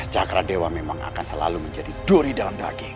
cakradewa memang akan selalu menjadi duri dalam daging